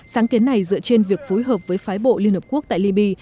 sáng kiến này dựa trên việc phối hợp với phái bộ liên hợp quốc tại liby